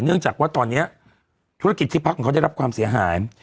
เนื่องจากว่าตอนนี้ธุรกิจที่พักของเขาได้รับความเสียหาย